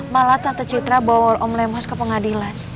malah tante citra bawa om lemos ke pengadilan